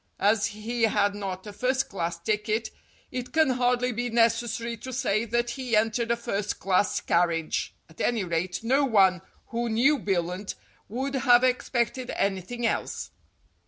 As he had not a first class ticket, it can hardly be necessary to say that he entered a first class carriage. At any rate, no one who knew Billunt would have expected anything else.